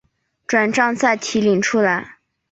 转帐再提领出来